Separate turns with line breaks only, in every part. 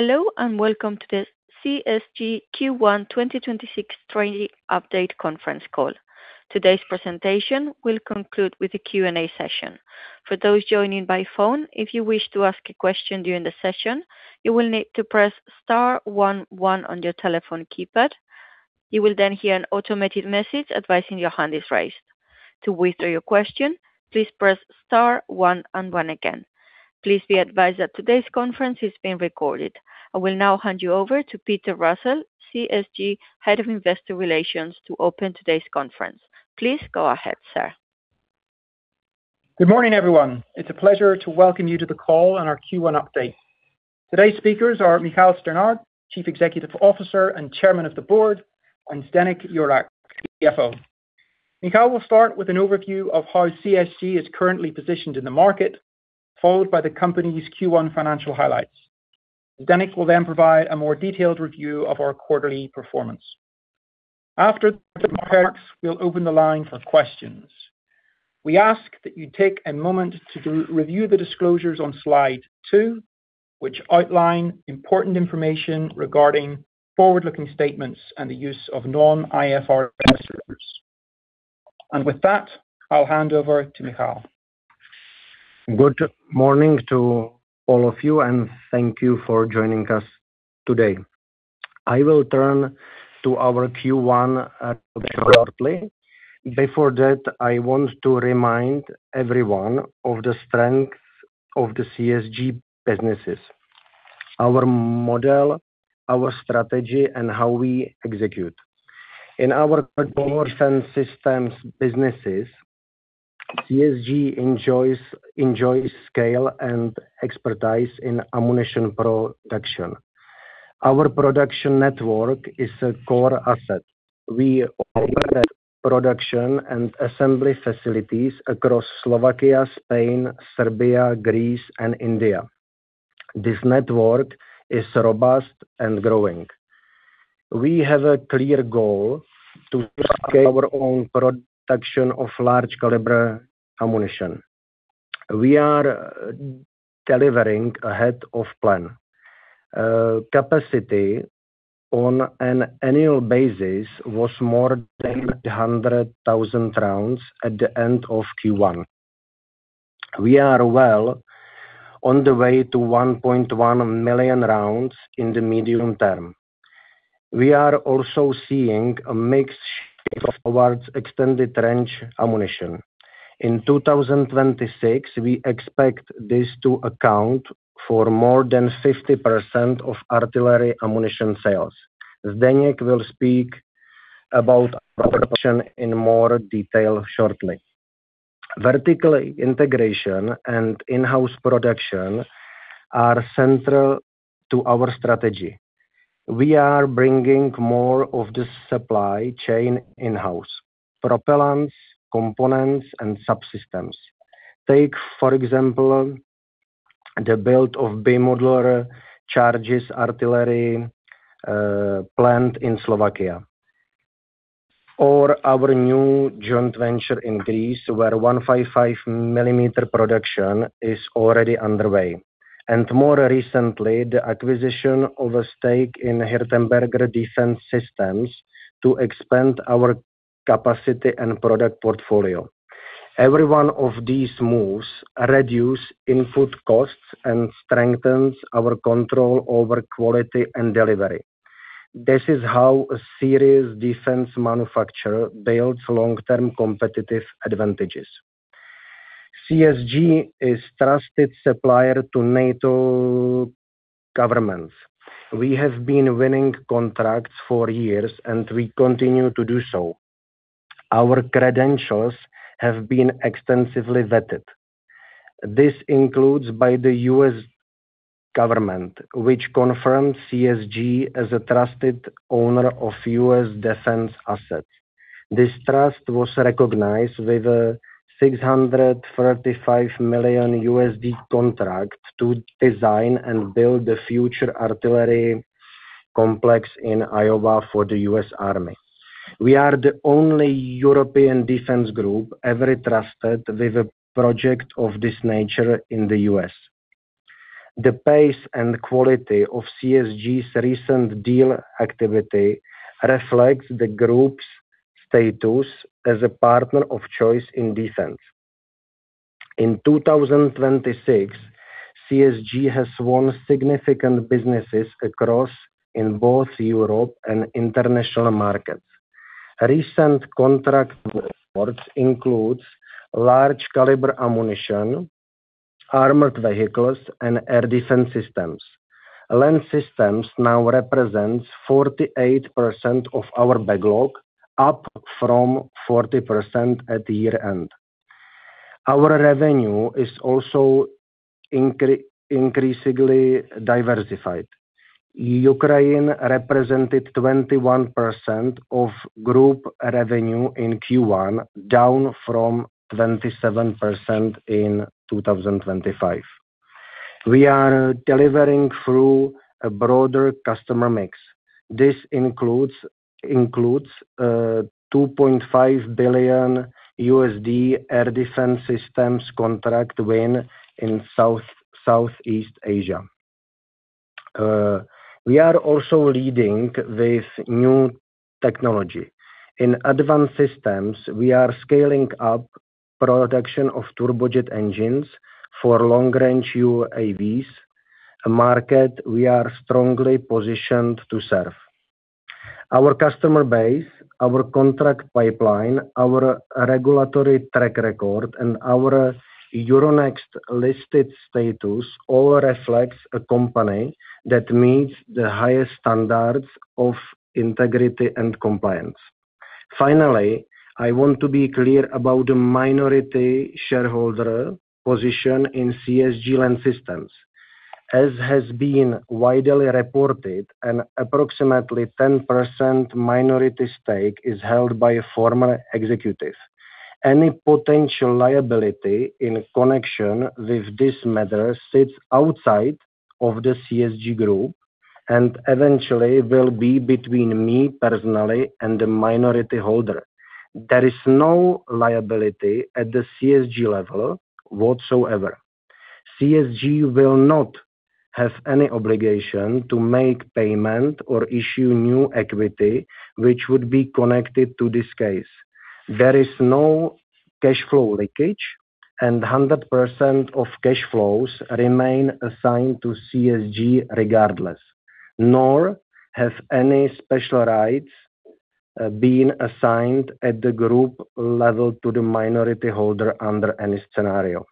Hello and welcome to the CSG Q1 2026 trading update conference call. Today's presentation will conclude with a Q&A session. For those joining by phone if you wish to ask a question during the session you will need to press star one one on your telephone keypad, you will then hear an automated message advising your hand is raised if you need to withdraw your question, please press star one and one again. Please be advised that today's conference is being recorded. I will now hand you over to Peter Russell, CSG Head of Investor Relations, to open today's conference. Please go ahead, sir.
Good morning, everyone. It's a pleasure to welcome you to the call and our Q1 update. Today's speakers are Michal Strnad, Chief Executive Officer and Chairman of the Board, and Zdeněk Jurák, CFO. Michal will start with an overview of how CSG is currently positioned in the market, followed by the company's Q1 financial highlights. Zdeněk will provide a more detailed review of our quarterly performance. After the remarks, we'll open the line for questions. We ask that you take a moment to review the disclosures on slide two, which outline important information regarding forward-looking statements and the use of non-IFRS measures. With that, I'll hand over to Michal.
Good morning to all of you, and thank you for joining us today. I will turn to our Q1 shortly. Before that, I want to remind everyone of the strengths of the CSG businesses: our model, our strategy, and how we execute. In our commodity defense systems businesses, CSG enjoys scale and expertise in ammunition production. Our production network is a core asset. We operate production and assembly facilities across Slovakia, Spain, Serbia, Greece, and India. This network is robust and growing. We have a clear goal to our own production of large-caliber ammunition. We are delivering ahead of plan. Capacity on an annual basis was more than 800,000 rounds at the end of Q1. We are well on the way to 1.1 million rounds in the medium term. We are also seeing a mixed shift towards extended-range ammunition. In 2026, we expect this to account for more than 50% of artillery ammunition sales. Zdeněk will speak about production in more detail shortly. Vertical integration and in-house production are central to our strategy. We are bringing more of the supply chain in-house: propellants, components, and subsystems. Take, for example, the build of bi-modular charges artillery plant in Slovakia. Or our new joint venture in Greece, where 155mm production is already underway. More recently, the acquisition of a stake in Hirtenberger Defence Systems to expand our capacity and product portfolio. Every one of these moves reduces input costs and strengthens our control over quality and delivery. This is how a serious defense manufacturer builds long-term competitive advantages. CSG is a trusted supplier to NATO governments. We have been winning contracts for years, and we continue to do so. Our credentials have been extensively vetted. This includes by the U.S. government, which confirmed CSG as a trusted owner of U.S. defense assets. This trust was recognized with a $635 million contract to design and build the future artillery complex in Iowa for the U.S. Army. We are the only European defense group ever trusted with a project of this nature in the U.S. The pace and quality of CSG's recent deal activity reflects the group's status as a partner of choice in defense. In 2026, CSG has won significant businesses across both Europe and international markets. Recent contract reports include large-caliber ammunition, armored vehicles, and air defense systems. Land systems now represent 48% of our backlog, up from 40% at year-end. Our revenue is also increasingly diversified. Ukraine represented 21% of group revenue in Q1, down from 27% in 2025. We are delivering through a broader customer mix. This includes a $2.5 billion air defense systems contract win in Southeast Asia. We are also leading with new technology. In advanced systems, we are scaling up production of turbojet engines for long-range UAVs, a market we are strongly positioned to serve. Our customer base, our contract pipeline, our regulatory track record, and our Euronext listed status all reflect a company that meets the highest standards of integrity and compliance. Finally, I want to be clear about the minority shareholder position in CSG Land Systems. As has been widely reported, an approximately 10% minority stake is held by a former executive. Any potential liability in connection with this matter sits outside of the CSG Group and eventually will be between me personally and the minority holder. There is no liability at the CSG level whatsoever. CSG will not have any obligation to make payment or issue new equity, which would be connected to this case. There is no cash flow leakage, and 100% of cash flows remain assigned to CSG regardless, nor have any special rights been assigned at the group level to the minority holder under any scenario.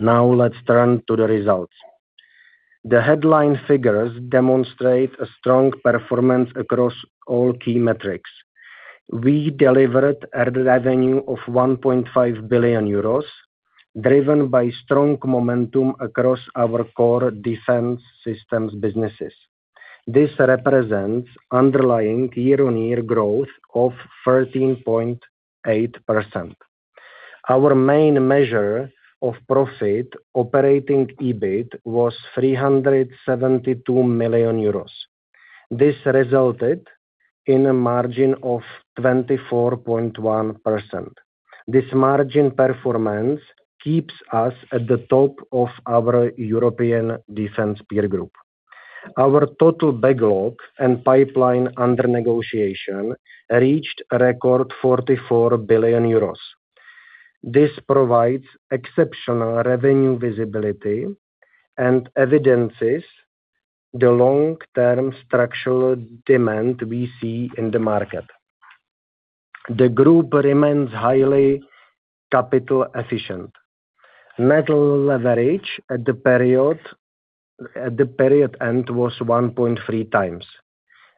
Let's turn to the results. The headline figures demonstrate a strong performance across all key metrics. We delivered a revenue of 1.5 billion euros, driven by strong momentum across our core defense systems businesses. This represents underlying year-over-year growth of 13.8%. Our main measure of profit operating EBIT was 372 million euros. This resulted in a margin of 24.1%. This margin performance keeps us at the top of our European defense peer group. Our total backlog and pipeline under negotiation reached a record 44 billion euros. This provides exceptional revenue visibility and evidences the long-term structural demand we see in the market. The group remains highly capital efficient. Net leverage at the period end was 1.3x.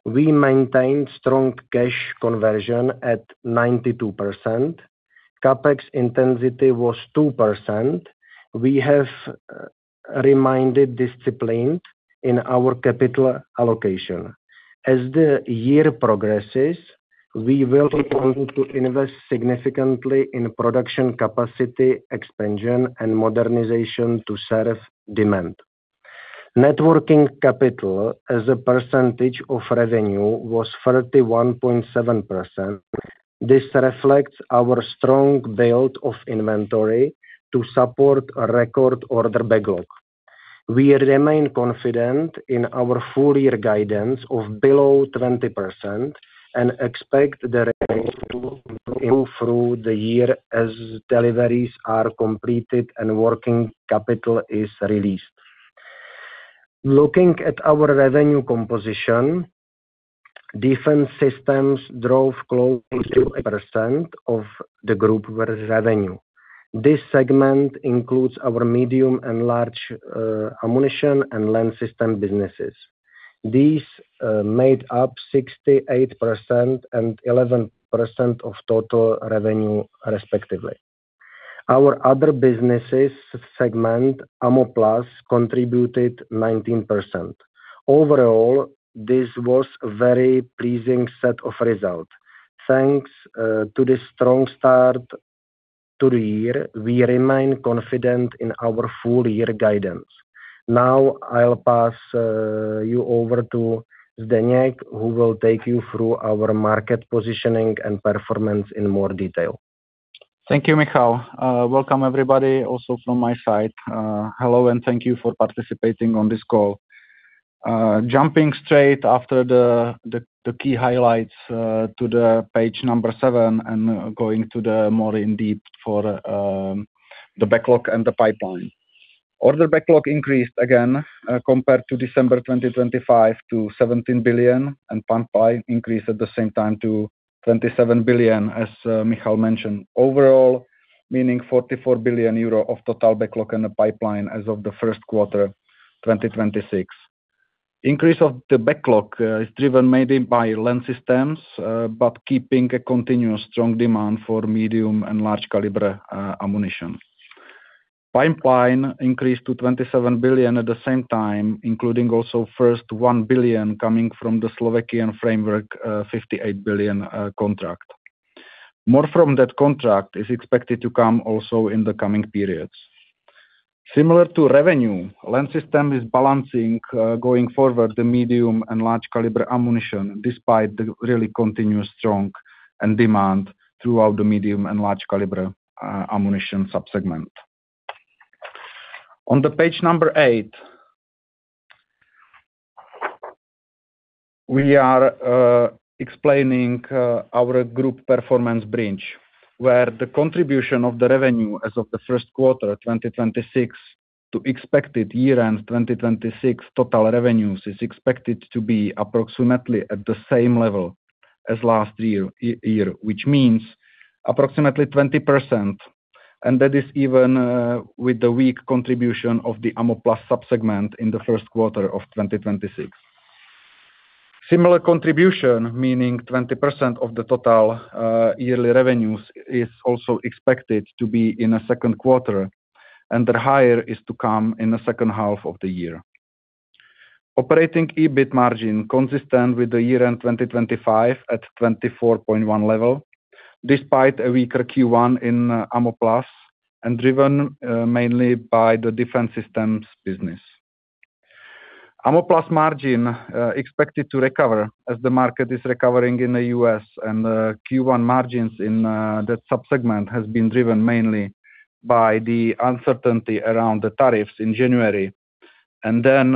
We maintained strong cash conversion at 92%. CapEx intensity was 2%. We have remained disciplined in our capital allocation. As the year progresses, we will want to invest significantly in production capacity expansion and modernization to serve demand. Net working capital as a percentage of revenue was 31.7%. This reflects our strong build of inventory to support a record order backlog. We remain confident in our full-year guidance of below 20% and expect the rate to improve through the year as deliveries are completed and working capital is released. Looking at our revenue composition, defense systems drove close to 8% of the group revenue. This segment includes our medium and large ammunition and CSG Land Systems businesses. These made up 68% and 11% of total revenue, respectively. Our other businesses segment, Ammo+, contributed 19%. Overall, this was a very pleasing set of results. Thanks to this strong start to the year, we remain confident in our full-year guidance. I'll pass you over to Zdeněk, who will take you through our market positioning and performance in more detail.
Thank you, Michal. Welcome, everybody, also from my side. Hello and thank you for participating on this call. Jumping straight after the key highlights to page seven and going to the more in-depth for the backlog and the pipeline. Order backlog increased again compared to December 2025 to 17 billion, and pipeline increased at the same time to 27 billion, as Michal mentioned, overall meaning 44 billion euro of total backlog and a pipeline as of the first quarter 2026. Increase of the backlog is driven mainly by CSG Land Systems, keeping a continuous strong demand for M/L Ammunition. Pipeline increased to 27 billion at the same time, including also first 1 billion coming from the Slovakian framework 58 billion contract. More from that contract is expected to come also in the coming periods. Similar to revenue, CSG Land Systems is balancing going forward the medium and large-caliber ammunition despite the really continuous strong demand throughout the medium and large-caliber ammunition subsegment. On page eight, we are explaining our group performance bridge, where the contribution of the revenue as of the first quarter 2026 to expected year-end 2026 total revenues is expected to be approximately at the same level as last year, which means approximately 20%, and that is even with the weak contribution of the Ammo+ subsegment in the first quarter of 2026. Similar contribution, meaning 20% of the total yearly revenues, is also expected to be in the second quarter, and the higher is to come in the second half of the year. Operating EBIT margin consistent with the year-end 2025 at 24.1%, despite a weaker Q1 in Ammo+ and driven mainly by the defense systems business. Ammo+ margin expected to recover as the market is recovering in the U.S., and Q1 margins in that subsegment have been driven mainly by the uncertainty around the tariffs in January, and then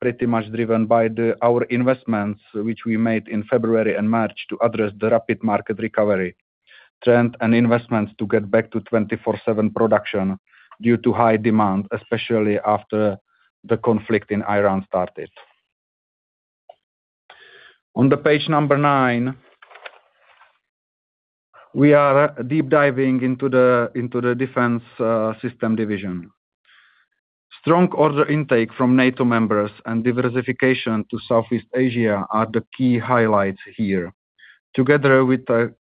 pretty much driven by our investments, which we made in February and March to address the rapid market recovery trend and investments to get back to 24/7 production due to high demand, especially after the conflict in Ukraine started. On page number nine, we are deep diving into the defense system division. Strong order intake from NATO members and diversification to Southeast Asia are the key highlights here, together with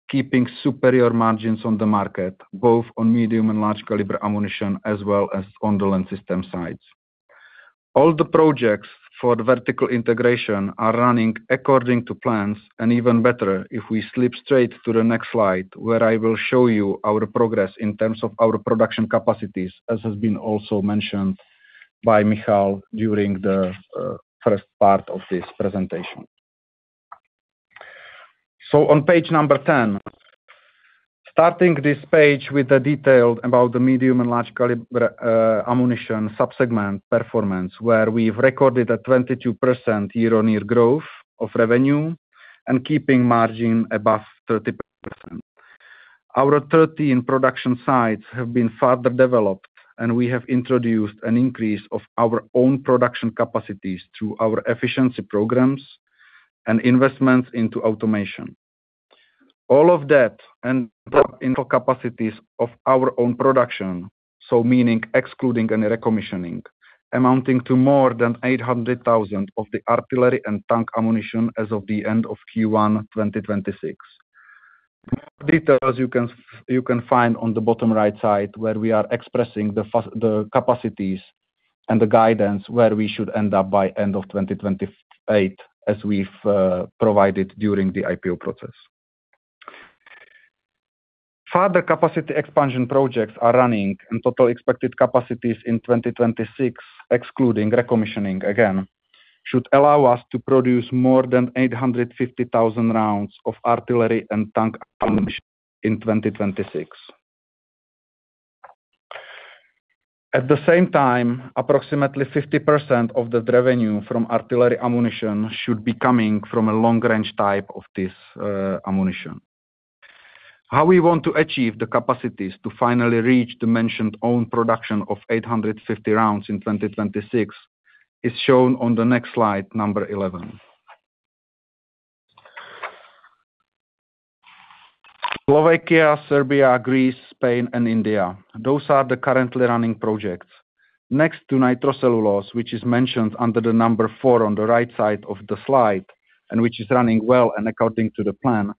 keeping superior margins on the market, both on medium and large-caliber ammunition as well as on the land system sides. All the projects for vertical integration are running according to plans, and even better if we slip straight to the next slide, where I will show you our progress in terms of our production capacities, as has been also mentioned by Michal during the first part of this presentation. On page number 10, starting this page with a detail about the medium and large-caliber ammunition subsegment performance, where we have recorded a 22% year-on-year growth of revenue and keeping margin above 30%. Our 13 production sites have been further developed, and we have introduced an increase of our own production capacities through our efficiency programs and investments into automation. All of that ends up in capacities of our own production, so meaning excluding any recommissioning, amounting to more than 800,000 of the artillery and tank ammunition as of the end of Q1 2026. More details you can find on the bottom right side, where we are expressing the capacities and the guidance where we should end up by end of 2028, as we've provided during the IPO process. Further capacity expansion projects are running, and total expected capacities in 2026, excluding recommissioning again, should allow us to produce more than 850,000 rounds of artillery and tank ammunition in 2026. At the same time, approximately 50% of the revenue from artillery ammunition should be coming from a long-range type of this ammunition. How we want to achieve the capacities to finally reach the mentioned own production of 850 rounds in 2026 is shown on the next slide, number 11. Slovakia, Serbia, Greece, Spain, and India, those are the currently running projects. Next to nitrocellulose, which is mentioned under number four on the right side of the slide and which is running well and according to the plan,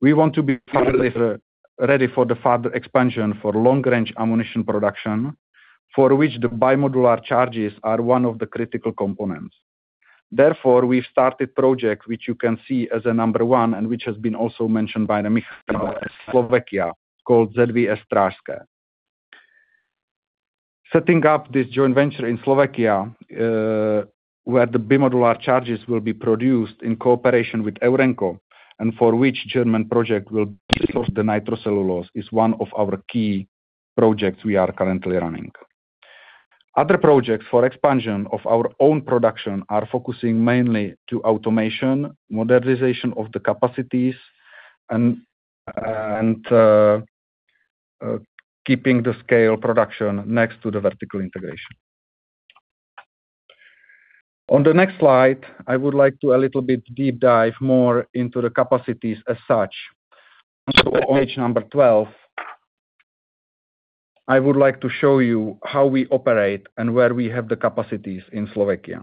we want to be ready for the further expansion for long-range ammunition production, for which the bi-modular charges are one of the critical components. We've started projects which you can see as number one and which has been also mentioned by Michal in Slovakia, called ZVS Strážske. Setting up this joint venture in Slovakia, where the bi-modular charges will be produced in cooperation with Eurenco and for which German project will be sourced the nitrocellulose, is one of our key projects we are currently running. Other projects for expansion of our own production are focusing mainly to automation, modernization of the capacities, and keeping the scale production next to the vertical integration. On the next slide, I would like to a little bit deep dive more into the capacities as such. On page number 12, I would like to show you how we operate and where we have the capacities in Slovakia.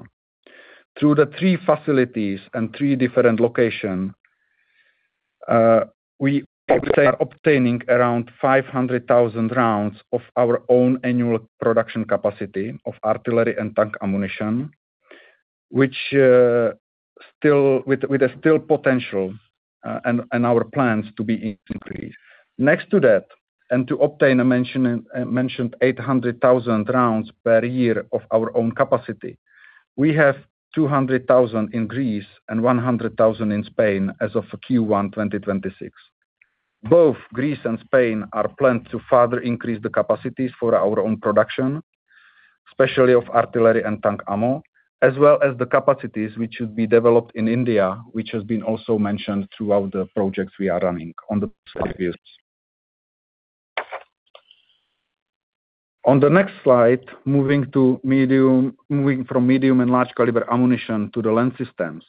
Through the three facilities and three different locations, we are obtaining around 500,000 rounds of our own annual production capacity of artillery and tank ammunition, with a still potential and our plans to be increased. Next to that, to obtain the mentioned 800,000 rounds per year of our own capacity, we have 200,000 in Greece and 100,000 in Spain as of Q1 2026. Both Greece and Spain are planned to further increase the capacities for our own production, especially of artillery and tank ammo, as well as the capacities which should be developed in India, which has been also mentioned throughout the projects we are running on the subdivisions. On the next slide, moving from medium and large-caliber ammunition to the land systems.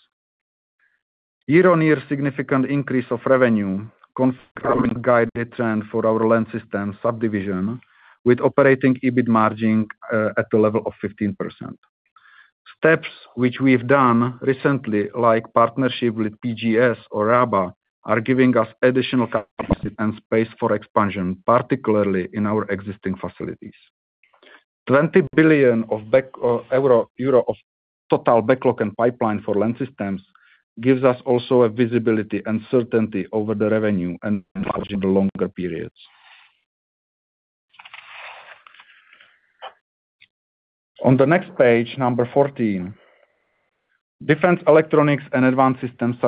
Year-on-year, significant increase of revenue confirming guided trend for our land system subdivision, with operating EBIT margin at the level of 15%. Steps which we've done recently, like partnership with PGZ or Rába, are giving us additional capacity and space for expansion, particularly in our existing facilities. 20 billion of total backlog and pipeline for land systems gives us also a visibility and certainty over the revenue and margin in the longer periods. On the next page, number 14, defense electronics and advanced system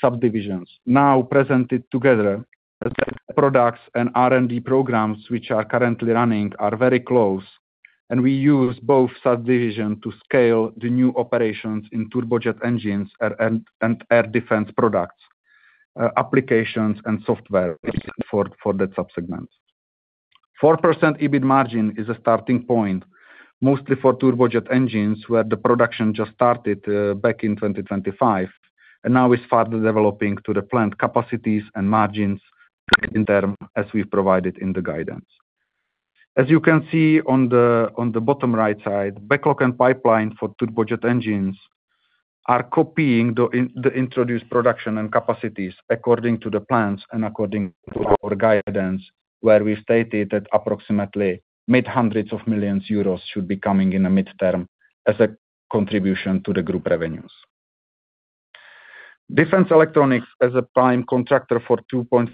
subdivisions, now presented together as products and R&D programs which are currently running, are very close, and we use both subdivisions to scale the new operations in turbojet engines and air defense products, applications, and software for that subsegment. 4% EBIT margin is a starting point, mostly for turbojet engines, where the production just started back in 2025 and now is further developing to the planned capacities and margins in terms as we've provided in the guidance. As you can see on the bottom right side, backlog and pipeline for turbojet engines are copying the introduced production and capacities according to the plans and according to our guidance, where we've stated that approximately mid-hundreds of millions EUR should be coming in the mid-term as a contribution to the group revenues. Defense electronics as a prime contractor for 2.5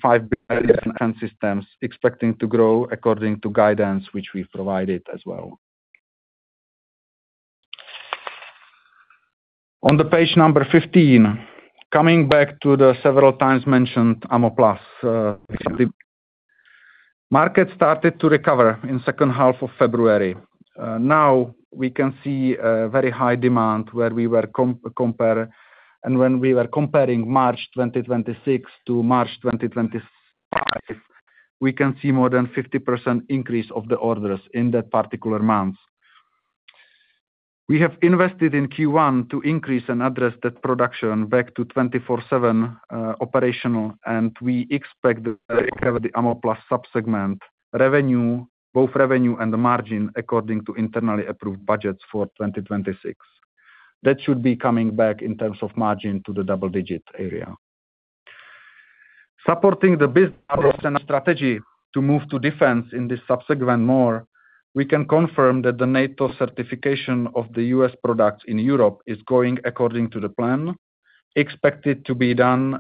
billion defense systems, expecting to grow according to guidance which we've provided as well. On page number 15, coming back to the several times mentioned Ammo+, market started to recover in the second half of February. We can see very high demand where we were comparing, and when we were comparing March 2026 to March 2025, we can see more than 50% increase of the orders in that particular month. We have invested in Q1 to increase and address that production back to 24/7 operational, and we expect to recover the Ammo+ subsegment revenue, both revenue and the margin, according to internally approved budgets for 2026. That should be coming back in terms of margin to the double-digit area. Supporting the business strategy to move to defense in this subsegment more, we can confirm that the NATO certification of the U.S. products in Europe is going according to the plan, expected to be done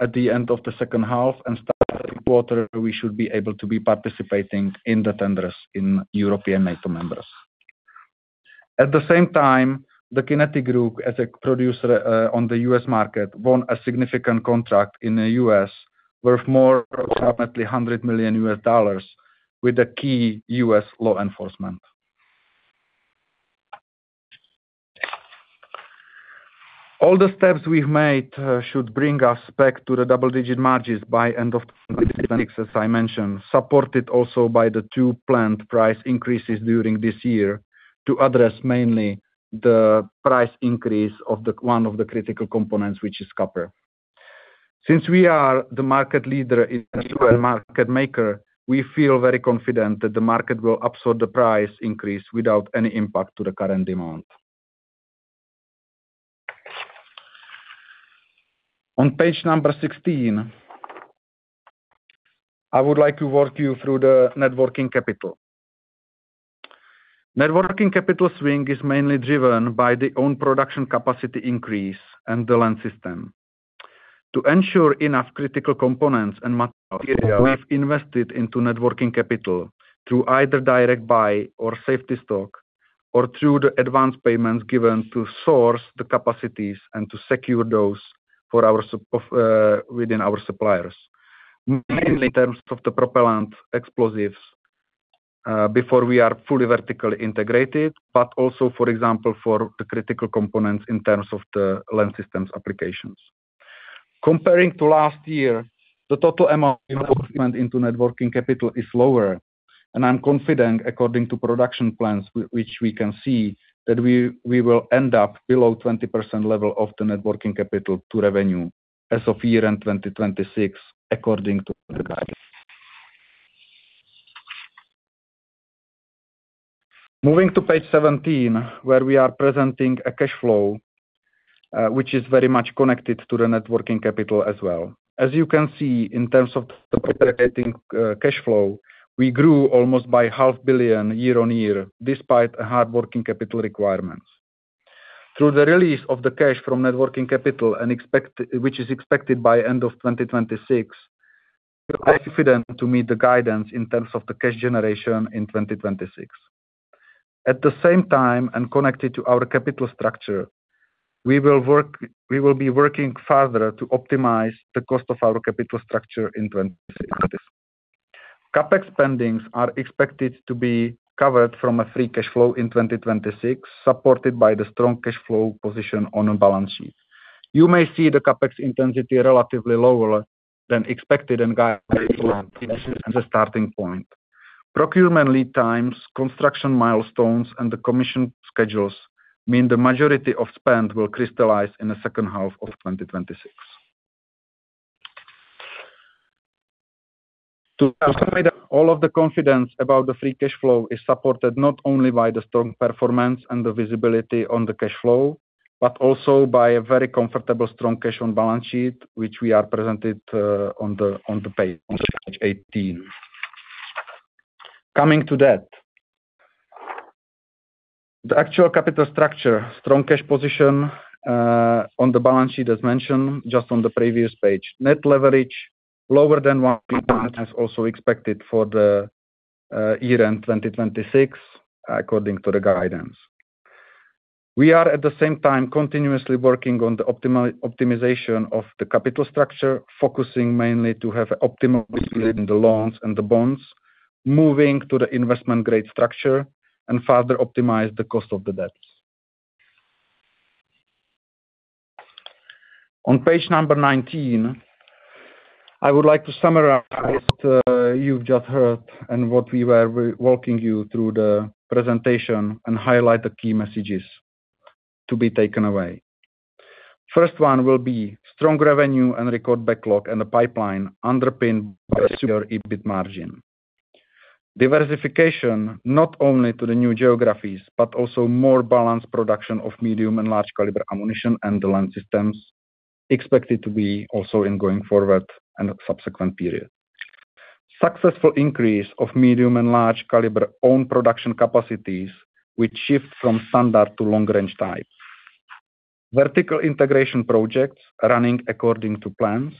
at the end of the second half, and starting quarter, we should be able to be participating in the tenders in European NATO members. At the same time, The Kinetic Group, as a producer on the U.S. market, won a significant contract in the U.S. worth more than approximately $100 million with a key U.S. law enforcement. All the steps we've made should bring us back to the double-digit margins by end of 2026, as I mentioned, supported also by the two planned price increases during this year to address mainly the price increase of one of the critical components, which is copper. Since we are the market leader in the U.S. market maker, we feel very confident that the market will absorb the price increase without any impact to the current demand. On page number 16, I would like to walk you through the net working capital. Net working capital swing is mainly driven by the own production capacity increase and the land system. To ensure enough critical components and material, we've invested into net working capital through either direct buy or safety stock, or through the advance payments given to source the capacities and to secure those within our suppliers, mainly in terms of the propellant explosives before we are fully vertically integrated, but also, for example, for the critical components in terms of the land systems applications. Comparing to last year, the total amount of investment into net working capital is lower, and I'm confident, according to production plans, which we can see, that we will end up below 20% level of the net working capital to revenue as of year-end 2026, according to the guidance. Moving to page 17, where we are presenting a cash flow, which is very much connected to the net working capital as well. As you can see, in terms of the operating cash flow, we grew almost by EUR half billion year-on-year, despite net working capital requirements. Through the release of the cash from net working capital, which is expected by end of 2026, we are confident to meet the guidance in terms of the cash generation in 2026. At the same time and connected to our capital structure, we will be working further to optimize the cost of our capital structure in 2026. CapEx are expected to be covered from a free cash flow in 2026, supported by the strong cash flow position on the balance sheet. You may see the CapEx intensity relatively lower than expected and guided from the starting point. Procurement lead times, construction milestones, and the commission schedules mean the majority of spend will crystallize in the second half of 2026. To sum up, all of the confidence about the free cash flow is supported not only by the strong performance and the visibility on the cash flow, but also by a very comfortable strong cash on balance sheet, which we are presented on page 18. Coming to that, the actual capital structure, strong cash position on the balance sheet as mentioned just on the previous page, net leverage lower than 1% as also expected for the year-end 2026, according to the guidance. We are, at the same time, continuously working on the optimization of the capital structure, focusing mainly to have an optimal split in the loans and the bonds, moving to the investment-grade structure, and further optimize the cost of the debts. On page 19, I would like to summarize what you've just heard and what we were walking you through the presentation and highlight the key messages to be taken away. First one will be strong revenue and record backlog and the pipeline underpinned by a secure EBIT margin. Diversification not only to the new geographies, but also more balanced production of medium and large-caliber ammunition and the Land Systems, expected to be also in going forward and subsequent period. Successful increase of medium and large-caliber own production capacities, which shift from standard to long-range type. Vertical integration projects running according to plans.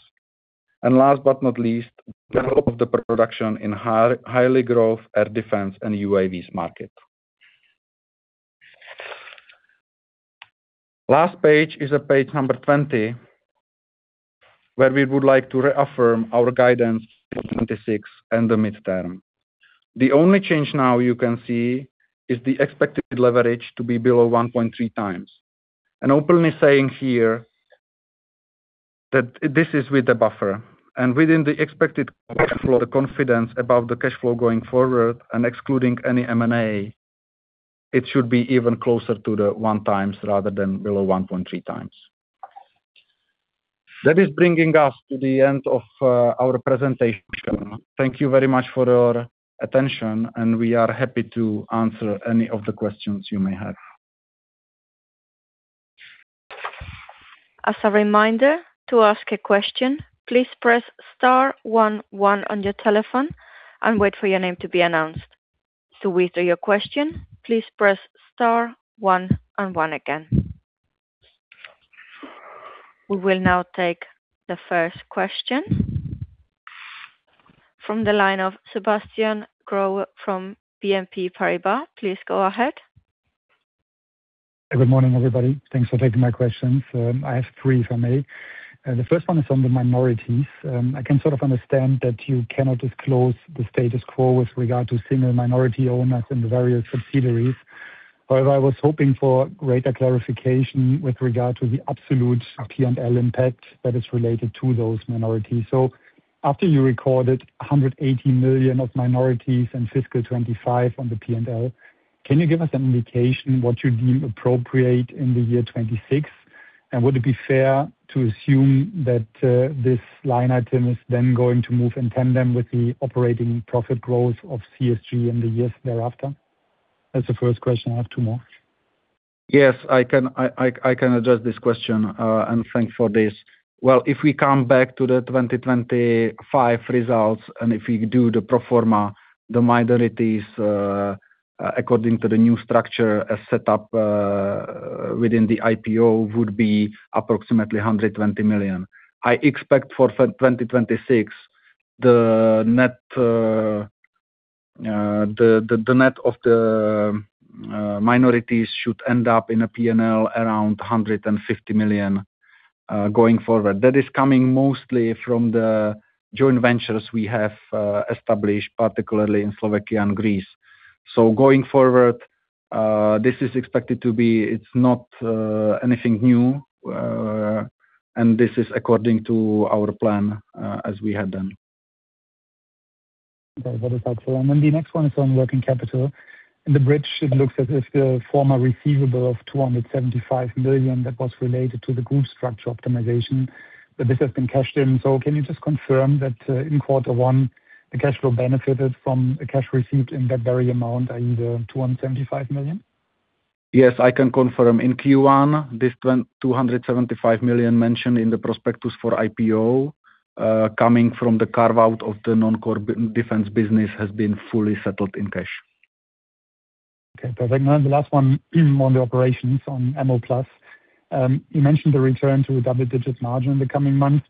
Last but not least, the help of the production in highly growth air defense and UAVs market. Last page is page 20, where we would like to reaffirm our guidance for 2026 and the mid-term. The only change now you can see is the expected leverage to be below 1.3x. Openly saying here that this is with the buffer, and within the expected cash flow, the confidence about the cash flow going forward and excluding any M&A, it should be even closer to the 1x rather than below 1.3x. That is bringing us to the end of our presentation. Thank you very much for your attention, and we are happy to answer any of the questions you may have.
As a reminder, to ask a question, please press star one on your telephone and wait for your name to be announced. To withdraw your question, please press star one and one again. We will now take the first question from the line of Sebastian Growe from BNP Paribas. Please go ahead.
Good morning, everybody. Thanks for taking my questions. I have three for me. The first one is on the minorities. I can sort of understand that you cannot disclose the status quo with regard to single minority owners in the various subsidiaries. However, I was hoping for greater clarification with regard to the absolute P&L impact that is related to those minorities. After you recorded 180 million of minorities in FY 2025 on the P&L, can you give us an indication what you deem appropriate in the year 2026? Would it be fair to assume that this line item is then going to move in tandem with the operating profit growth of CSG in the years thereafter? That's the first question. I have two more.
Yes, I can address this question, and thanks for this. Well, if we come back to the 2025 results and if we do the pro forma, the minorities according to the new structure as set up within the IPO would be approximately 120 million. I expect for 2026, the net of the minorities should end up in a P&L around 150 million going forward. That is coming mostly from the joint ventures we have established, particularly in Slovakia and Greece. Going forward, this is expected to be it's not anything new, and this is according to our plan as we had done.
Okay, that is helpful. The next one is on working capital. In the bridge, it looks as if the former receivable of 275 million that was related to the group structure optimization, that this has been cashed in. Can you just confirm that in quarter one, the cash flow benefited from the cash received in that very amount, i.e., the 275 million?
Yes, I can confirm. In Q1, this 275 million mentioned in the prospectus for IPO, coming from the carve-out of the non-core defense business, has been fully settled in cash.
Okay, perfect. The last one on the operations on Ammo+. You mentioned the return to a double-digit margin in the coming months.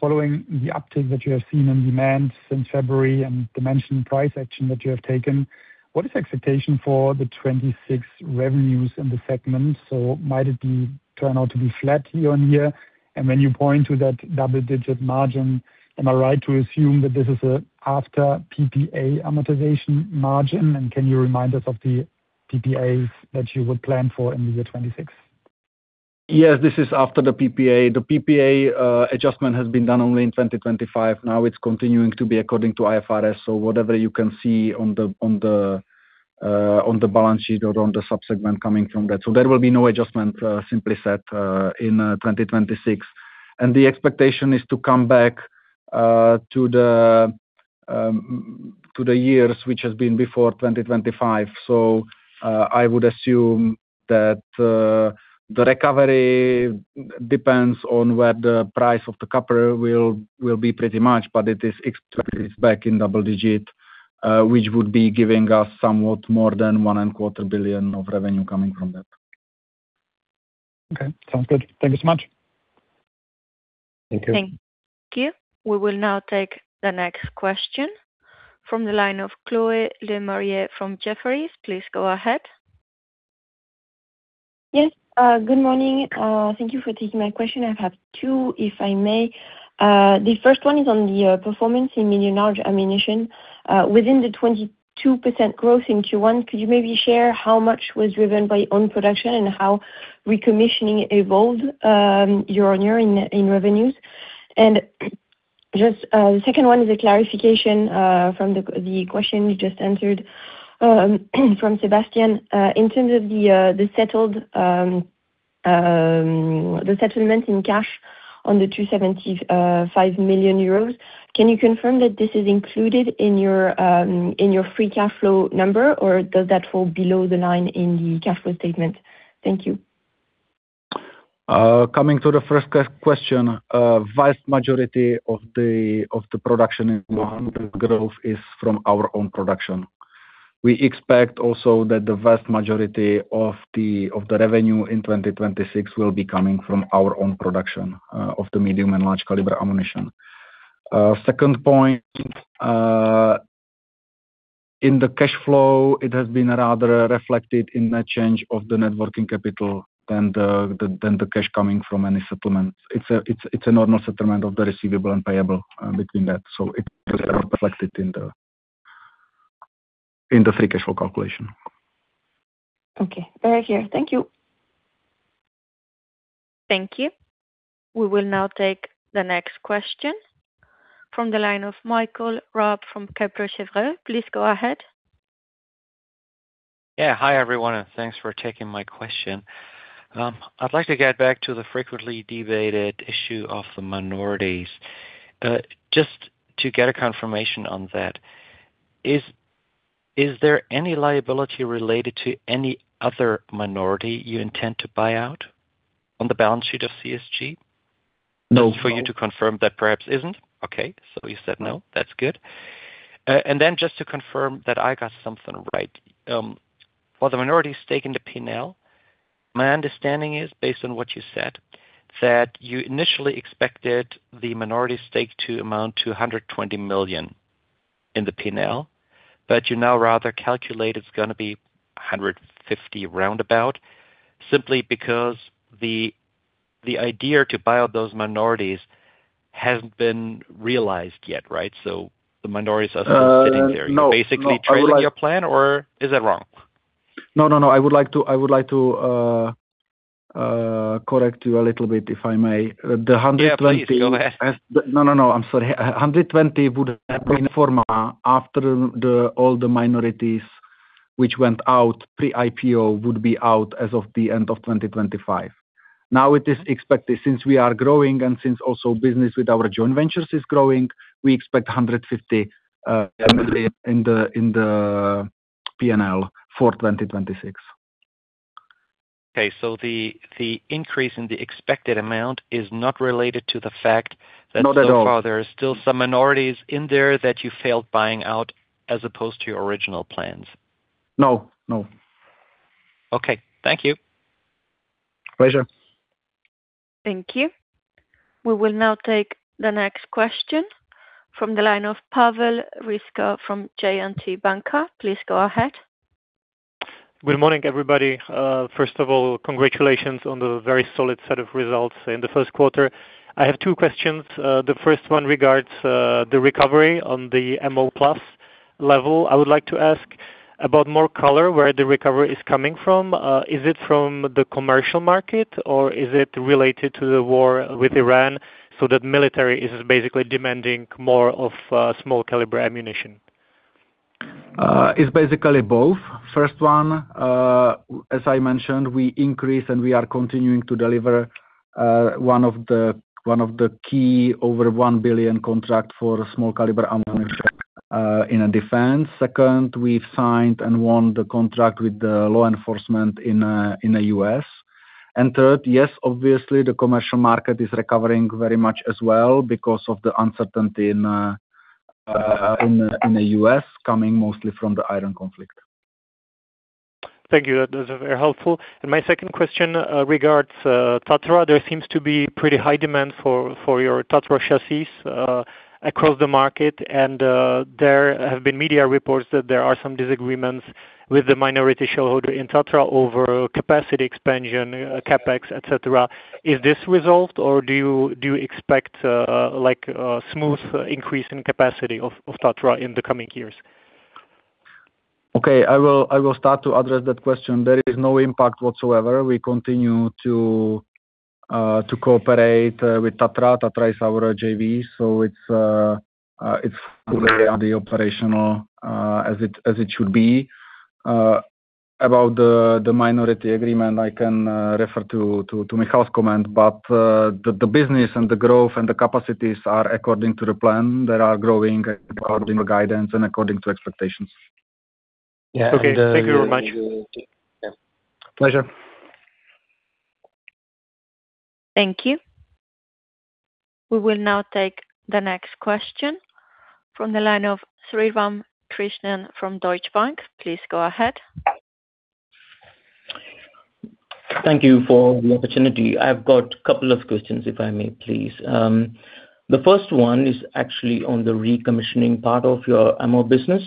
Following the uptick that you have seen in demand since February and the mentioned price action that you have taken, what is the expectation for the 2026 revenues in the segment? Might it turn out to be flat year-over-year? When you point to that double-digit margin, am I right to assume that this is an after-PPA amortization margin? Can you remind us of the PPAs that you would plan for in the year 2026?
Yes, this is after the PPA. The PPA adjustment has been done only in 2025. Now it's continuing to be according to IFRS. Whatever you can see on the balance sheet or on the subsegment coming from that. There will be no adjustment, simply said, in 2026. The expectation is to come back to the years which has been before 2025. I would assume that the recovery depends on where the price of the copper will be pretty much, but it is expected back in double-digit, which would be giving us somewhat more than one and a quarter billion of revenue coming from that.
Okay, sounds good. Thank you so much.
Thank you.
Thank you. We will now take the next question from the line of Chloé Lemarié from Jefferies. Please go ahead.
Yes. Good morning. Thank you for taking my question. I have two, if I may. The first one is on the performance in M/L Ammunition. Within the 22% growth in Q1, could you maybe share how much was driven by own production and how recommissioning evolved year-on-year in revenues? The second one is a clarification from the question you just answered from Sebastian. In terms of the settlement in cash on the 275 million euros, can you confirm that this is included in your free cash flow number, or does that fall below the line in the cash flow statement? Thank you.
Coming to the first question, the vast majority of the production in growth is from our own production. We expect also that the vast majority of the revenue in 2026 will be coming from our own production of the medium and large-caliber ammunition. Second point, in the cash flow, it has been rather reflected in the change of the net working capital than the cash coming from any settlements. It's a normal settlement of the receivable and payable between that. It's reflected in the free cash flow calculation.
Okay. Very clear. Thank you.
Thank you. We will now take the next question from the line of Michael Raab from Kepler Cheuvreux. Please go ahead.
Yeah. Hi, everyone. Thanks for taking my question. I'd like to get back to the frequently debated issue of the minorities. Just to get a confirmation on that, is there any liability related to any other minority you intend to buy out on the balance sheet of CSG?
No.
Just for you to confirm that perhaps isn't? Okay. You said no. That's good. Just to confirm that I got something right, for the minority stake in the P&L, my understanding is, based on what you said, that you initially expected the minority stake to amount to 120 million in the P&L, but you now rather calculate it's going to be 150 million roundabout simply because the idea to buy out those minorities hasn't been realized yet, right? The minorities are still sitting there.
No.
Basically trading your plan, or is that wrong?
No, no. I would like to correct you a little bit, if I may. The 120 million.
Yeah, please. Go ahead.
No, no. I'm sorry. 120 million would have been pro forma after all the minorities, which went out pre-IPO, would be out as of the end of 2025. Now it is expected, since we are growing and since also business with our joint ventures is growing, we expect 150 million in the P&L for 2026.
Okay. The increase in the expected amount is not related to the fact that so far.
Not at all.
There are still some minorities in there that you failed buying out as opposed to your original plans?
No, no.
Okay. Thank you.
Pleasure.
Thank you. We will now take the next question from the line of Pavel Ryska from J&T Banka. Please go ahead.
Good morning, everybody. First of all, congratulations on the very solid set of results in the first quarter. I have two questions. The first one regards the recovery on the Ammo+ level. I would like to ask about more color, where the recovery is coming from. Is it from the commercial market, or is it related to the war with Iran so that military is basically demanding more of small-caliber ammunition?
It's basically both. First one, as I mentioned, we increase and we are continuing to deliver one of the key over 1 billion contract for small-caliber ammunition in defense. Second, we've signed and won the contract with the law enforcement in the U.S. Third, yes, obviously, the commercial market is recovering very much as well because of the uncertainty in the U.S. coming mostly from the Iran conflict.
Thank you. That is very helpful. My second question regards Tatra. There seems to be pretty high demand for your Tatra chassis across the market, and there have been media reports that there are some disagreements with the minority shareholder in Tatra over capacity expansion, CapEx, etc. Is this resolved, or do you expect a smooth increase in capacity of Tatra in the coming years?
Okay. I will start to address that question. There is no impact whatsoever. We continue to cooperate with Tatra. Tatra is our JV, so it's fully. The operational as it should be. About the minority agreement, I can refer to Michal's comment, the business and the growth and the capacities are according to the plan. They are growing according to guidance and according to expectations.
Yeah. Okay. Thank you very much.
Pleasure.
Thank you. We will now take the next question from the line of Sriram Krishnan from Deutsche Bank. Please go ahead.
Thank you for the opportunity. I've got a couple of questions, if I may, please. The first one is actually on the recommissioning part of your Ammo+ business.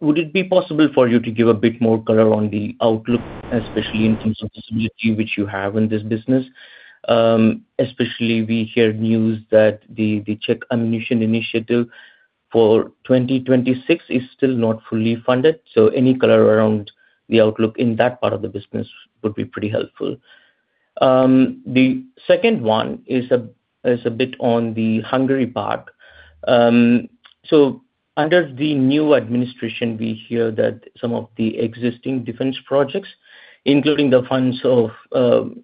Would it be possible for you to give a bit more color on the outlook, especially in terms of the stability which you have in this business? Especially, we hear news that the Czech Ammunition Initiative for 2026 is still not fully funded. Any color around the outlook in that part of the business would be pretty helpful. The second one is a bit on the Hungary part. Under the new administration, we hear that some of the existing defense projects, including the funds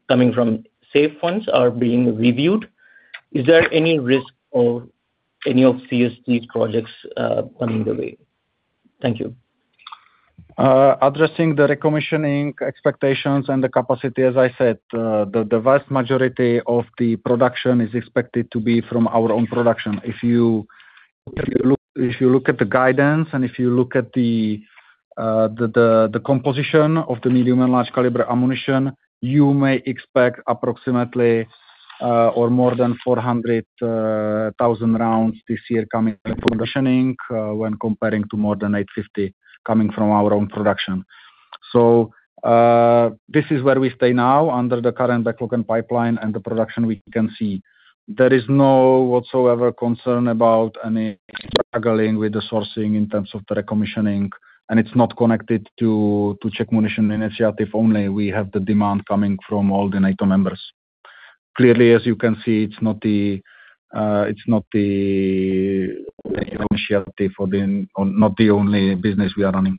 coming from SAFE funds, are being reviewed. Is there any risk of any of CSG's projects coming the way? Thank you.
Addressing the recommissioning expectations and the capacity, as I said, the vast majority of the production is expected to be from our own production. If you look at the guidance and if you look at the composition of the medium and large-caliber ammunition, you may expect approximately or more than 400,000 rounds this year coming from recommissioning when comparing to more than 850 coming from our own production. This is where we stay now under the current backlog and pipeline and the production we can see. There is no whatsoever concern about any struggling with the sourcing in terms of the recommissioning, and it's not connected to Czech Ammunition Initiative only. We have the demand coming from all the NATO members. Clearly, as you can see, it's not the initiative or not the only business we are running.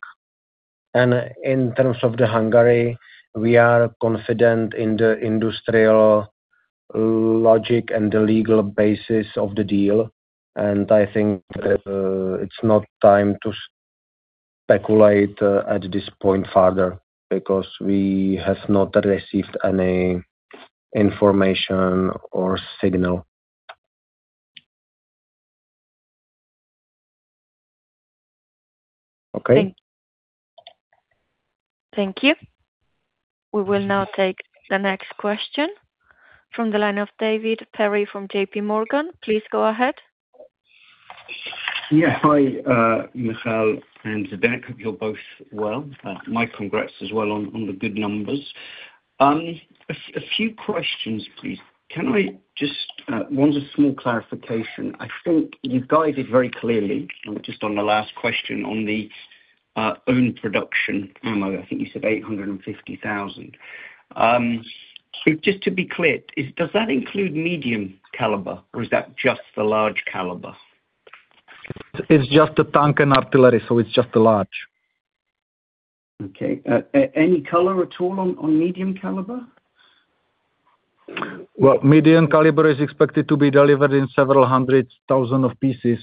In terms of the Hungary, we are confident in the industrial logic and the legal basis of the deal. I think it's not time to speculate at this point further because we have not received any information or signal.
Okay.
Thank you. Thank you. We will now take the next question from the line of David Perry from JPMorgan. Please go ahead.
Yeah. Hi, Michal and Zdeněk. Hope you're both well. My congrats as well on the good numbers. A few questions, please. One's a small clarification. I think you guided very clearly just on the last question on the own production ammo. I think you said 850,000. Just to be clear, does that include medium caliber, or is that just the large caliber?
It's just the tank and artillery, so it's just the large.
Okay. Any color at all on medium caliber?
Well, medium caliber is expected to be delivered in several hundred thousand of pieces.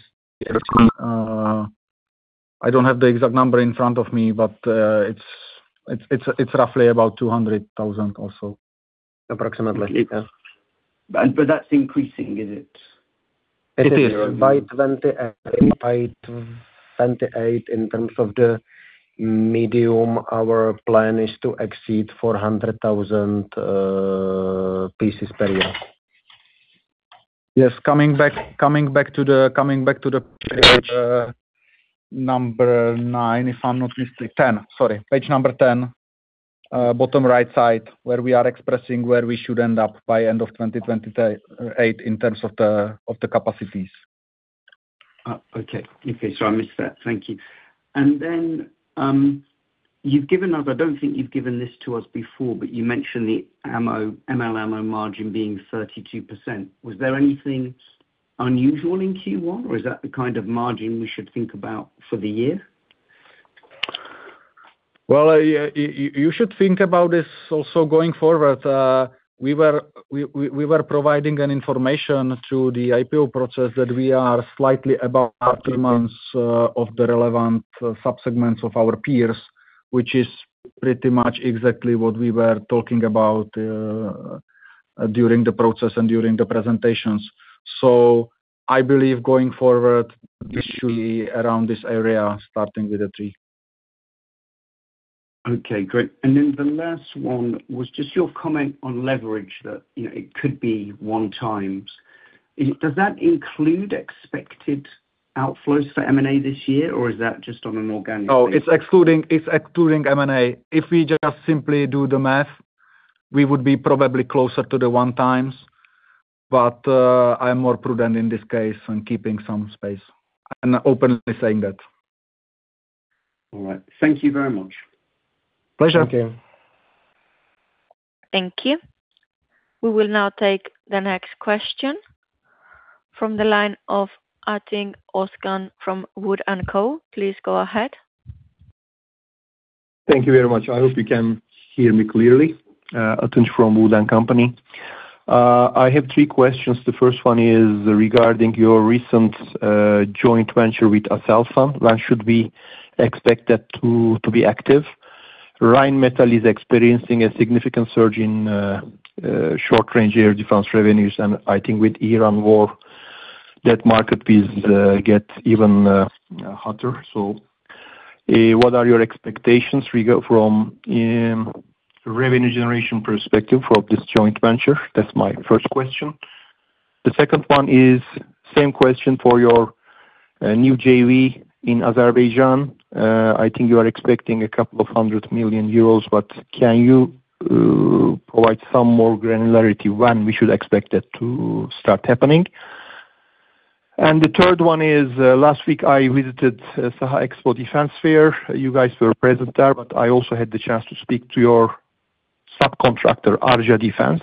I don't have the exact number in front of me, but it's roughly about 200,000 also.
Approximately. Yeah. That's increasing, is it?
It is. By 2028 in terms of the medium, our plan is to exceed 400,000 pieces per year. Yes. Coming back to the page number nine, if I'm not mistaken. 10. Sorry. Page number 10, bottom right side, where we are expressing where we should end up by end of 2028 in terms of the capacities.
Okay. Okay. I missed that. Thank you. You've given us I don't think you've given this to us before, but you mentioned the M/L Ammo margin being 32%. Was there anything unusual in Q1, or is that the kind of margin we should think about for the year?
Well, you should think about this also going forward. We were providing an information through the IPO process that we are slightly above three months of the relevant subsegments of our peers, which is pretty much exactly what we were talking about during the process and during the presentations. I believe going forward, this should be around this area, starting with a three.
Okay. Great. The last one was just your comment on leverage, that it could be 1x. Does that include expected outflows for M&A this year, or is that just on an organic basis?
Oh, it's excluding M&A. If we just simply do the math, we would be probably closer to the 1x. I am more prudent in this case and keeping some space and openly saying that.
All right. Thank you very much.
Pleasure.
Thank you. We will now take the next question from the line of Atınç Özkan from WOOD & Co. Please go ahead.
Thank you very much. I hope you can hear me clearly. Atınç from Wood & Company. I have three questions. The first one is regarding your recent joint venture with ASELSAN. When should we expect that to be active? Rheinmetall is experiencing a significant surge in short-range air defense revenues, I think with Iran war, that market will get even hotter. What are your expectations from a revenue generation perspective for this joint venture? That's my first question. The second one is the same question for your new JV in Azerbaijan. I think you are expecting 200 million euros, can you provide some more granularity when we should expect that to start happening? The third one is last week, I visited the SAHA Expo Defence Fair. You guys were present there, but I also had the chance to speak to your subcontractor, ARCA Defence.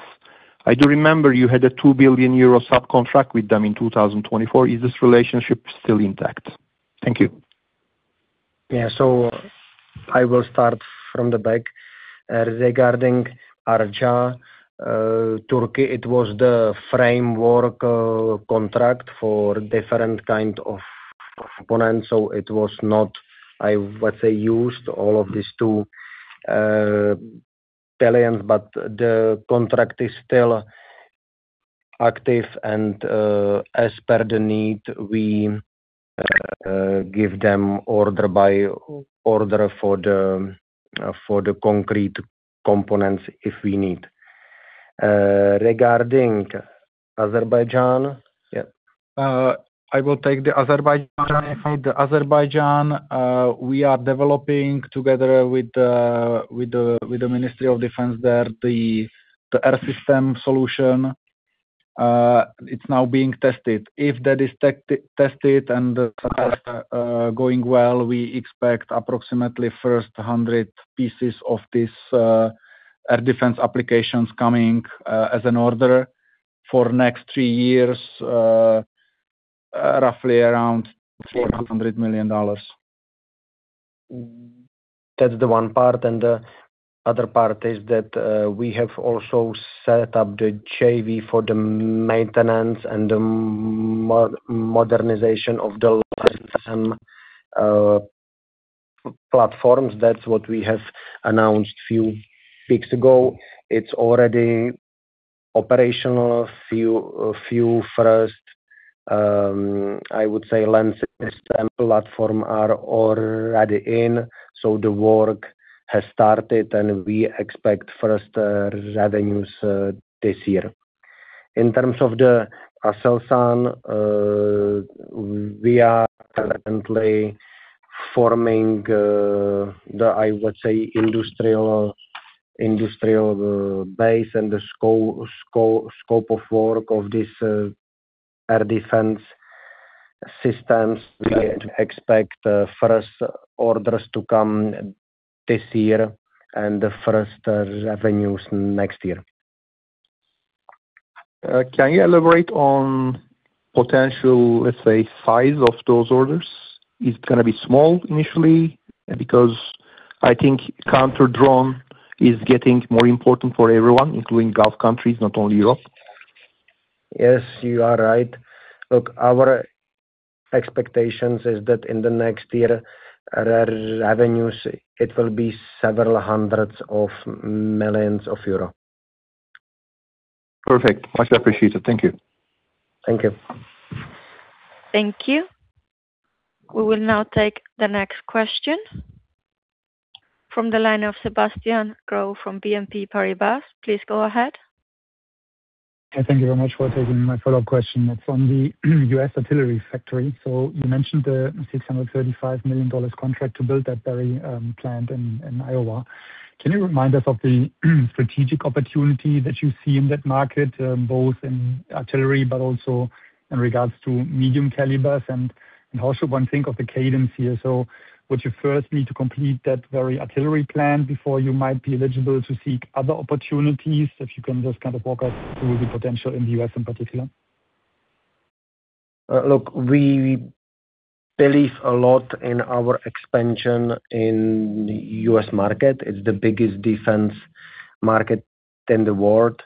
I do remember you had a 2 billion euro subcontract with them in 2024. Is this relationship still intact? Thank you.
Yeah. I will start from the back. Regarding Arca Turkey, it was the framework contract for different kinds of components. It was not, I would say, used all of these two [talents], but the contract is still active, and as per the need, we give them order for the concrete components if we need. Regarding Azerbaijan, yeah.
I will take the Azerbaijan. The Azerbaijan, we are developing together with the Ministry of Defense there the air system solution. It is now being tested. If that is tested and going well, we expect approximately the first 100 pieces of these air defense applications coming as an order for the next three years, roughly around EUR 400 million.
That's the one part. The other part is that we have also set up the JV for the maintenance and the modernization of the platforms. That's what we have announced a few weeks ago. It's already operational. A few first, I would say, land system platforms are already in, so the work has started, and we expect first revenues this year. In terms of the ASELSAN, we are currently forming the, I would say, industrial base and the scope of work of these air defense systems. We expect first orders to come this year and the first revenues next year.
Can you elaborate on potential, let's say, size of those orders? Is it going to be small initially? Because I think counterdrone is getting more important for everyone, including Gulf countries, not only Europe.
Yes, you are right. Look, our expectations is that in the next year, revenues, it will be several hundreds of millions of euro.
Perfect. Much appreciated. Thank you.
Thank you.
Thank you. We will now take the next question from the line of Sebastian Growe from BNP Paribas. Please go ahead.
Yeah. Thank you very much for taking my follow-up question. It's on the U.S. artillery factory. You mentioned the $635 million contract to build that very plant in Iowa. Can you remind us of the strategic opportunity that you see in that market, both in artillery but also in regards to medium calibers, and how should one think of the cadence here? Would you first need to complete that very artillery plant before you might be eligible to seek other opportunities, if you can just kind of walk us through the potential in the U.S. in particular?
Look, we believe a lot in our expansion in the U.S. market. It's the biggest defense market in the world.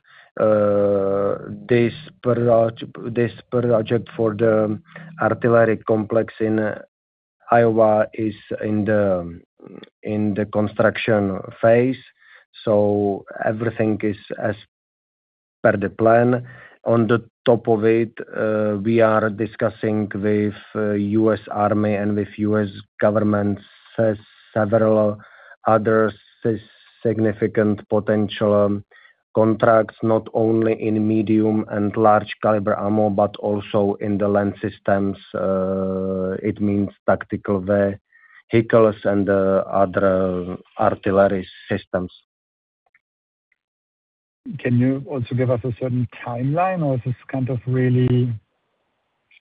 This project for the artillery complex in Iowa is in the construction phase, so everything is as per the plan. On the top of it, we are discussing with the U.S. Army and with U.S. governments, several other significant potential contracts, not only in medium and large-caliber ammo but also in the land systems. It means tactical vehicles and other artillery systems.
Can you also give us a certain timeline, or is this kind of really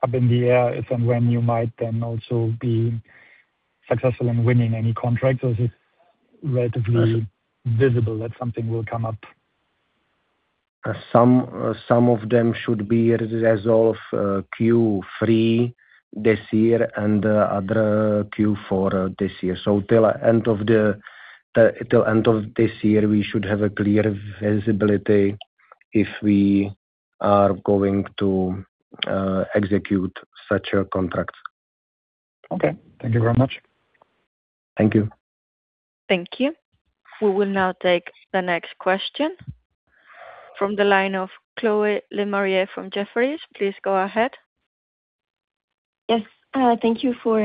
up in the air as to when you might then also be successful in winning any contracts, or is it relatively visible that something will come up?
Some of them should be resolved Q3 this year and the other Q4 this year. Till the end of this year, we should have a clear visibility if we are going to execute such a contract.
Okay. Thank you very much.
Thank you.
Thank you. We will now take the next question from the line of Chloé Lemarié from Jefferies. Please go ahead.
Yes. Thank you for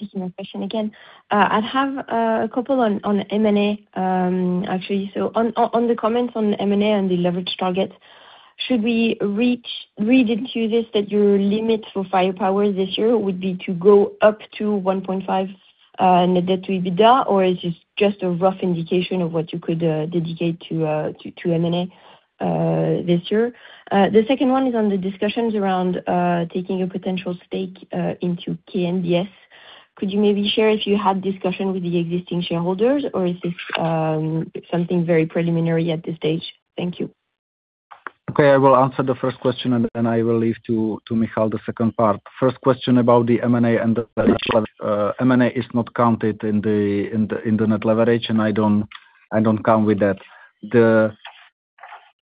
taking my question again. I have a couple on M&A, actually. On the comments on M&A and the leverage targets, should we read into this that your limit for firepower this year would be to go up to 1.5x net debt to EBITDA, or is this just a rough indication of what you could dedicate to M&A this year? The second one is on the discussions around taking a potential stake into KNDS. Could you maybe share if you had discussion with the existing shareholders, or is this something very preliminary at this stage? Thank you.
Okay. I will answer the first question, and then I will leave to Michal the second part. First question about the M&A. M&A is not counted in the net leverage, and I don't come with that.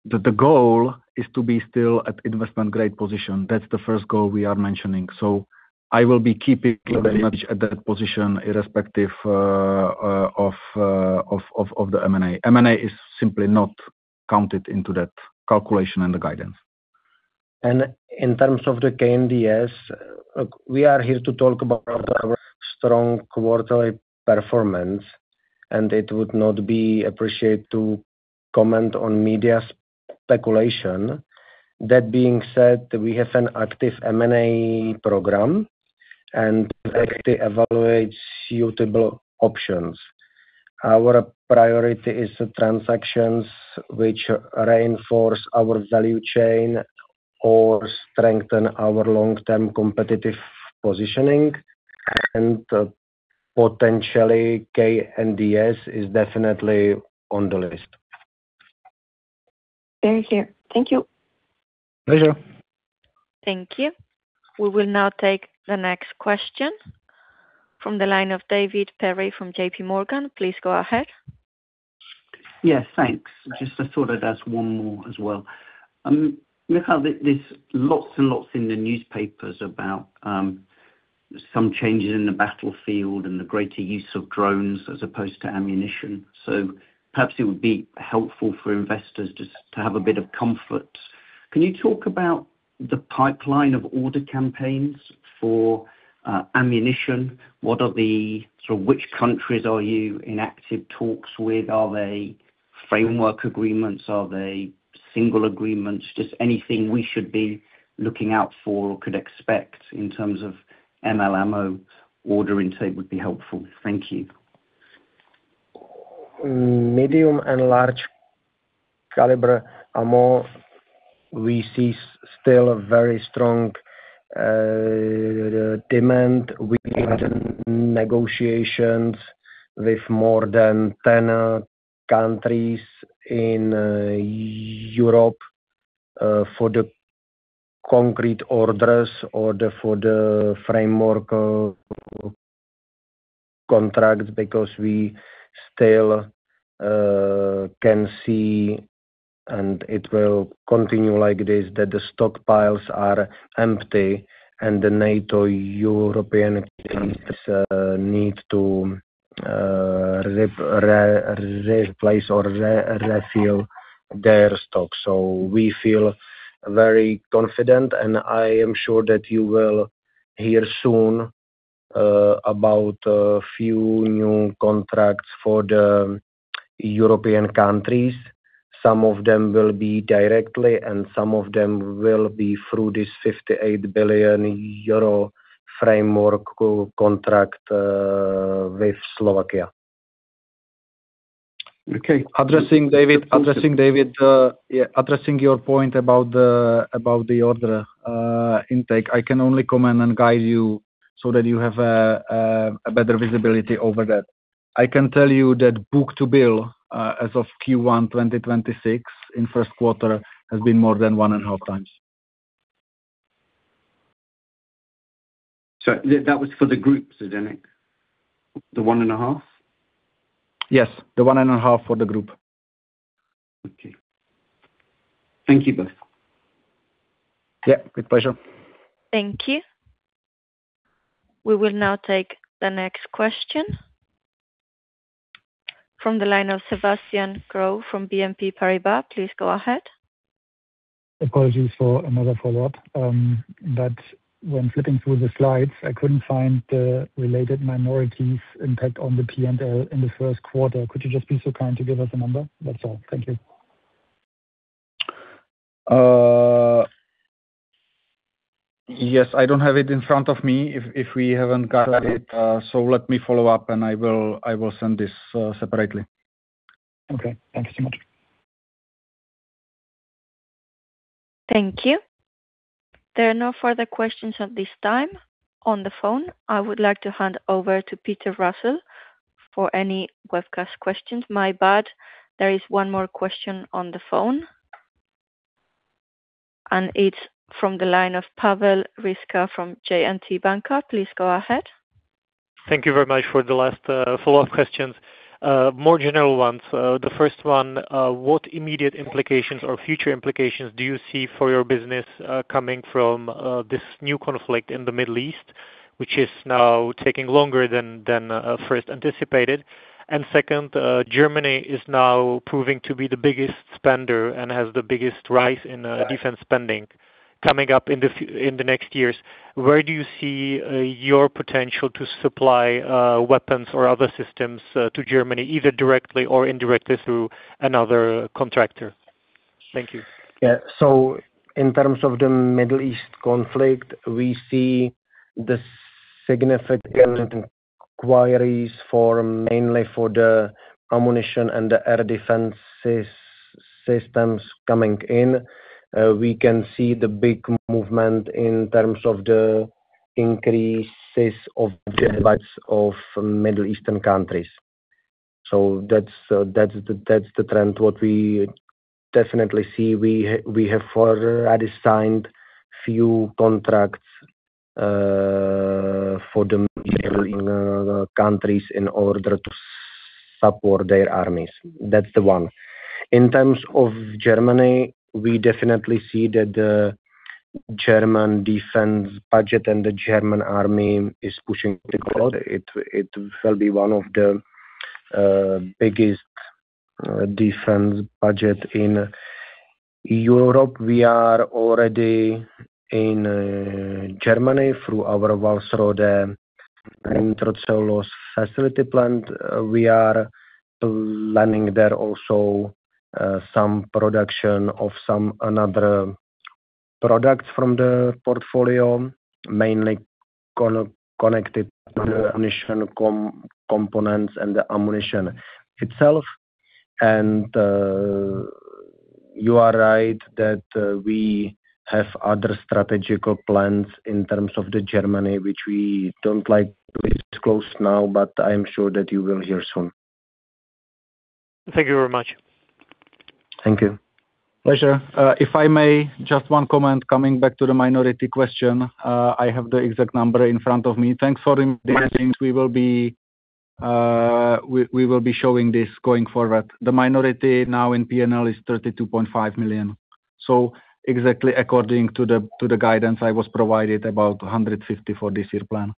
The goal is to be still at an investment-grade position. That's the first goal we are mentioning. I will be keeping the leverage at that position irrespective of the M&A. M&A is simply not counted into that calculation and the guidance.
In terms of the KNDS, look, we are here to talk about our strong quarterly performance, and it would not be appreciated to comment on media speculation. That being said, we have an active M&A program, and we evaluate suitable options. Our priority is transactions which reinforce our value chain or strengthen our long-term competitive positioning. Potentially, KNDS is definitely on the list.
Thank you. Thank you.
Pleasure.
Thank you. We will now take the next question from the line of David Perry from JP Morgan. Please go ahead.
Yes. Thanks. Just I thought of that as one more as well. Michal, there's lots and lots in the newspapers about some changes in the battlefield and the greater use of drones as opposed to ammunition. Perhaps it would be helpful for investors just to have a bit of comfort. Can you talk about the pipeline of order campaigns for ammunition? Which countries are you in active talks with? Are they framework agreements? Are they single agreements? Just anything we should be looking out for or could expect in terms of M/L ammo ordering would be helpful. Thank you.
Medium and Large-Caliber Ammo, we see still a very strong demand. We had negotiations with more than 10 countries in Europe for the concrete orders or for the framework contracts because we still can see, and it will continue like this, that the stockpiles are empty and the NATO European countries need to replace or refill their stock. We feel very confident, and I am sure that you will hear soon about a few new contracts for the European countries. Some of them will be directly, and some of them will be through this 58 billion euro framework contract with Slovakia.
Okay. Addressing, David, yeah, addressing your point about the order intake, I can only comment and guide you so that you have a better visibility over that. I can tell you that book-to-bill as of Q1 2026 in first quarter has been more than 1.5x.
That was for the groups, isn't it? The one and a half?
Yes. The one and a half for the group.
Okay. Thank you both.
Yeah. With pleasure.
Thank you. We will now take the next question from the line of Sebastian Growe from BNP Paribas. Please go ahead.
Apologies for another follow-up. When flipping through the slides, I couldn't find the related minorities' impact on the P&L in the first quarter. Could you just be so kind to give us a number? That's all. Thank you.
Yes. I don't have it in front of me if we haven't got it. Let me follow up, and I will send this separately.
Okay. Thank you so much.
Thank you. There are no further questions at this time on the phone. I would like to hand over to Peter Russell for any webcast questions. My bad. There is one more question on the phone, and it is from the line of Pavel Ryska from J&T Banka. Please go ahead.
Thank you very much for the last follow-up questions. More general ones. The first one, what immediate implications or future implications do you see for your business coming from this new conflict in the Middle East, which is now taking longer than first anticipated? Second, Germany is now proving to be the biggest spender and has the biggest rise in defense spending coming up in the next years. Where do you see your potential to supply weapons or other systems to Germany, either directly or indirectly through another contractor? Thank you.
In terms of the Middle East conflict, we see the significant inquiries mainly for the ammunition and the air defense systems coming in. We can see the big movement in terms of the increases of the heads of Middle Eastern countries. That's the trend, what we definitely see. We have already signed a few contracts for the Middle Eastern countries in order to support their armies. That's the one. In terms of Germany, we definitely see that the German defense budget and the German army is pushing the quota. It will be one of the biggest defense budgets in Europe. We are already in Germany through our Walsrode Nitro Facility plant. We are planning there also some production of some other products from the portfolio, mainly connected to the ammunition components and the ammunition itself. You are right that we have other strategic plans in terms of Germany, which we don't like to disclose now, but I am sure that you will hear soon.
Thank you very much.
Thank you.
Pleasure. If I may, just one comment coming back to the minority question. I have the exact number in front of me. Thanks for inviting. We will be showing this going forward. The minority now in P&L is 32.5 million. Exactly according to the guidance I was provided, about 150 million for this year plan.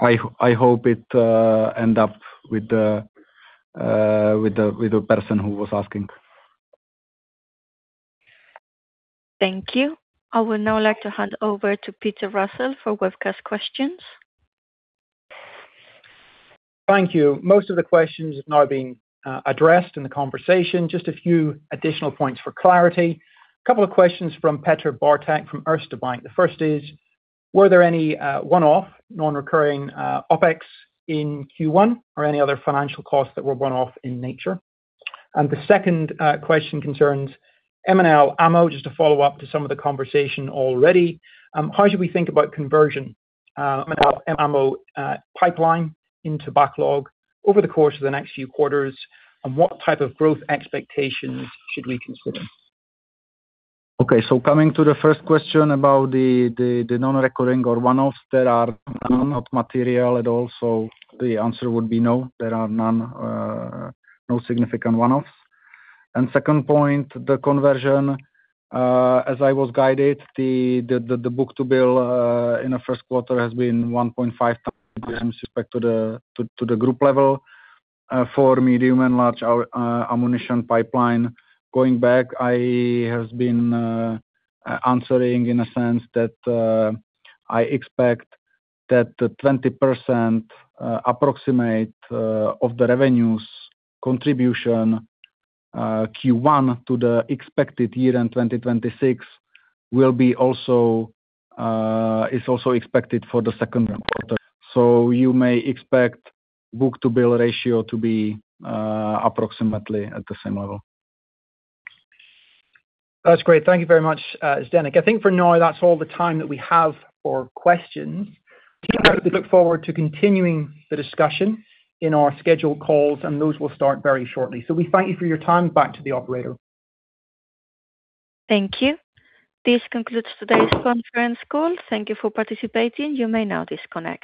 I hope it ends up with the person who was asking.
Thank you. I would now like to hand over to Peter Russell for webcast questions.
Thank you. Most of the questions have now been addressed in the conversation. Just a few additional points for clarity. A couple of questions from Petr Bartek from Erste Group Bank. The first is, were there any one-off, non-recurring OpEx in Q1 or any other financial costs that were one-off in nature? The second question concerns M/L Ammunition, just a follow-up to some of the conversation already. How should we think about conversion? M/L Ammunition pipeline into backlog over the course of the next few quarters, and what type of growth expectations should we consider?
Coming to the first question about the non-recurring or one-offs, there are none, not material at all. The answer would be no. There are no significant one-offs. Second point, the conversion. As I was guided, the book-to-bill in the first quarter has been 1.5x respect to the group level for medium and large ammunition pipeline. Going back, I have been answering in a sense that I expect that the 20% approximate of the revenues contribution Q1 to the expected year in 2026 is also expected for the second quarter. You may expect book-to-bill ratio to be approximately at the same level.
That's great. Thank you very much, Zdeněk. I think for now, that's all the time that we have for questions. The team hopes to look forward to continuing the discussion in our scheduled calls, and those will start very shortly. We thank you for your time. Back to the operator.
Thank you. This concludes today's conference call. Thank you for participating. You may now disconnect.